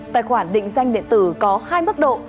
tài khoản định danh điện tử có hai mức độ